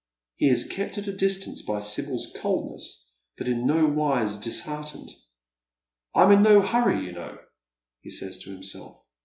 He is kept at a distance by Sibyl's coldness, but in no wise disheartened. " I'm in no hurry, you know," he says to himself.